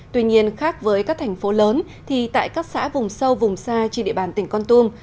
tuy nhiên khác với các thành phố lớn thì tại các xã vùng sâu vùng xa trên địa bàn tỉnh con tum